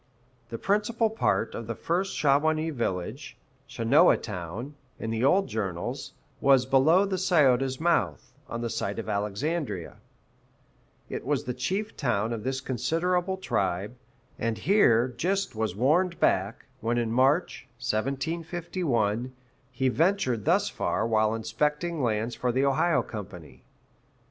The principal part of the first Shawanese village Shannoah Town, in the old journals was below the Scioto's mouth, on the site of Alexandria; it was the chief town of this considerable tribe, and here Gist was warned back, when in March, 1751, he ventured thus far while inspecting lands for the Ohio Company.